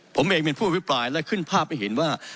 ผมเองเป็นผู้อภิปรายและขึ้นภาพให้เห็นว่า